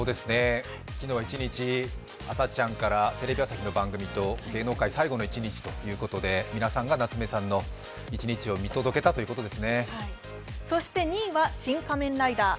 昨日は一日、「あさチャン！」からテレビ朝日の番組と芸能界最後の一日ということで皆さんが夏目さんの一日を見届けたということですね。